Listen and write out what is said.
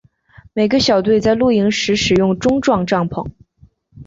每个小队在露营时使用钟状帐篷。